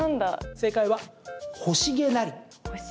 正解は、ほしげなり。